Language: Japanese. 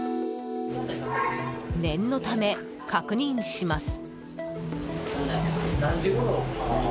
念のため確認します。